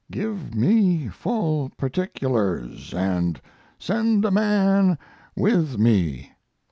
Give me full particulars, and send a man with me.